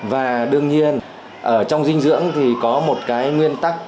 và đương nhiên ở trong dinh dưỡng thì có một cái nguyên tắc